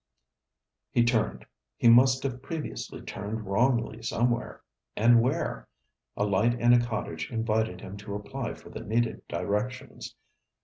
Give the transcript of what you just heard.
He turned. He must have previously turned wrongly somewhere and where? A light in a cottage invited him to apply for the needed directions.